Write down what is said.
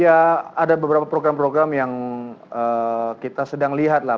ya ada beberapa program program yang kita sedang lihat lah